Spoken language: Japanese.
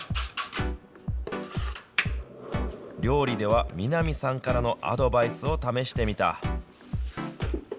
料理では、南さんからのアドバイスを試してみた。